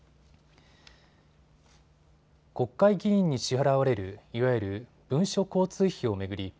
国会議員に支払われるいわゆる文書交通費を巡り